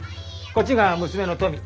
こっちが娘のトミ。